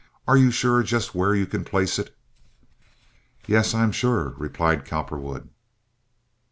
Are you sure just where you can place it?" "Yes, I'm sure," replied Cowperwood.